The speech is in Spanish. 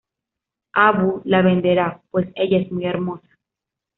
Abu la venderá pues ella es muy hermosa.